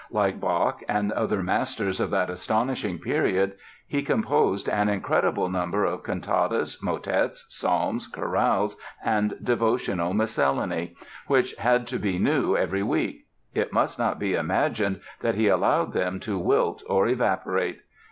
Like Bach and other masters of that astonishing period, he composed an incredible number of cantatas, motets, psalms, chorales and devotional miscellany, which had to be new every week. It must not be imagined that he allowed them to wilt or evaporate.